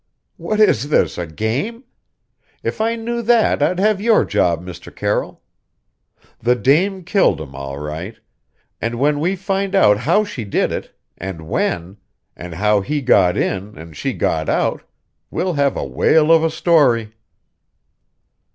"What is this a game? If I knew that I'd have your job, Mr. Carroll. The dame killed him, all right; and when we find out how she did it, and when, and how he got in and she got out, we'll have a whale of a story!"